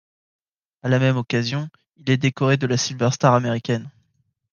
À la même occasion, il est décoré de la Silver Star américaine.